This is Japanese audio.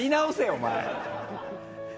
お前。